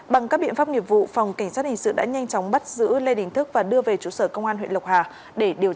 bằng các biện pháp nghiệp vụ phòng kỳ sát hình sự đã nhanh chóng bắt giữ lê đình thức và đưa về chủ sở công an huyện lộc hà để điều tra làm rõ